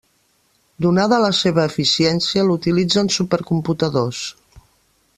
Donada la seva eficiència, l'utilitzen supercomputadors.